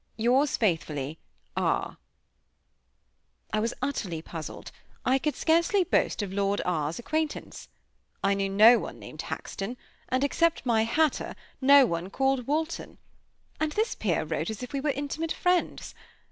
Yours faithfully, R I was utterly puzzled. I could scarcely boast of Lord R 's I acquaintance. I knew no one named Haxton, and, except my hatter, no one called Walton; and this peer wrote as if we were intimate friends!